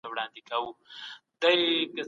سياستپوهنه يو نظام دی چي پر تجربه ولاړ دی.